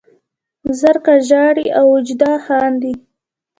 زرکه ژاړي او واجده خاندي